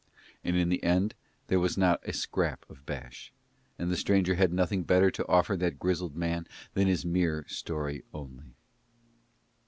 And in the end there was not a scrap of bash, and the stranger had nothing better to offer that grizzled man than his mere story only.